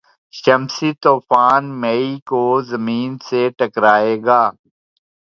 شمسی طوفان مئی کو زمین سے ٹکرائے گا